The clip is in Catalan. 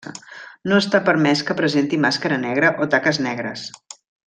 No està permès que presenti màscara negra o taques negres.